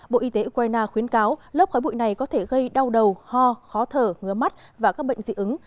bộ y tế ukraine khuyến cáo lớp khói bụi này có thể gây đau đầu ho khó thở ngứa mắt và các bệnh dị ứng